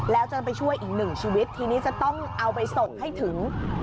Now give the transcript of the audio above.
แล้วจะไปช่วยอีกหนึ่งชีวิตทีนี้จะต้องเอาไปส่งให้ถึง